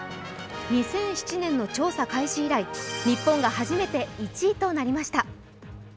２００７年の調査開始以来、日本が初めて１位となりました。